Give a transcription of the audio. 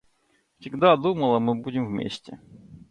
Всегда думала, мы будем вместе.